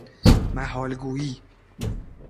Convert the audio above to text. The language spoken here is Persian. محال گویی